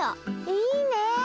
いいねえ！